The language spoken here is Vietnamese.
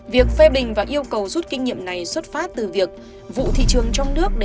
việc phê bình và yêu cầu rút kinh nghiệm này xuất phát từ việc vụ thị trường trong nước đã